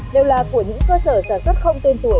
đều là của những cơ sở sản xuất không tên tuổi